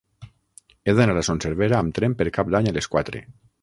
He d'anar a Son Servera amb tren per Cap d'Any a les quatre.